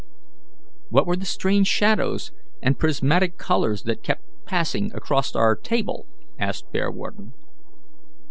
"What were the strange shadows and prismatic colours that kept passing across our table?" asked Bearwarden.